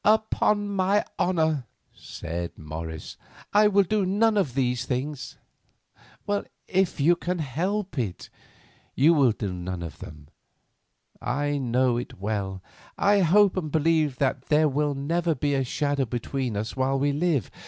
"Upon my honour," said Morris, "I will do none of these things." "If you can help it, you will do none of them. I know it well enough. I hope and believe that there will never be a shadow between us while we live.